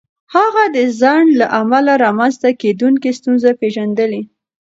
هغه د ځنډ له امله رامنځته کېدونکې ستونزې پېژندلې.